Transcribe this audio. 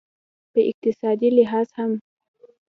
په اقتصادي لحاظ هم